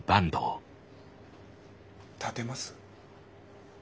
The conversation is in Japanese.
立てます？